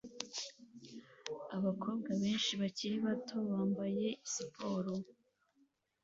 Abakobwa benshi bakiri bato bambaye siporo